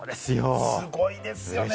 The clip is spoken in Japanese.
すごいですよね。